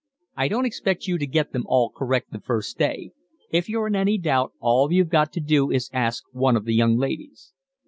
"I don't expect you to get them all correct the first day. If you're in any doubt all you've got to do is to ask one of the young ladies."